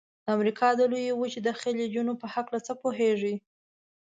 د امریکا د لویې وچې د خلیجونو په هلکه څه پوهیږئ؟